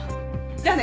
じゃあね。